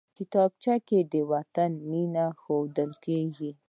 کتابچه کې د وطن مینه ښودل کېږي